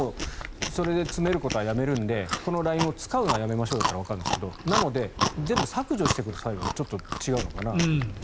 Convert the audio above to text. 、それで詰めることはやめるのでこのＬＩＮＥを使うのはやめましょうならわかるんですけどなので、全部削除してくださいはちょっと違うのかなと。